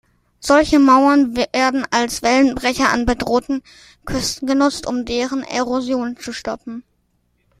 Solche Mauern werden als Wellenbrecher an bedrohten Küsten genutzt, um deren Erosion zu stoppen.